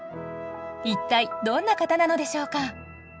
一体どんな方なのでしょうか？